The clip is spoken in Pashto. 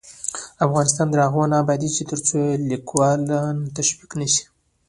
افغانستان تر هغو نه ابادیږي، ترڅو لیکوالان تشویق نشي.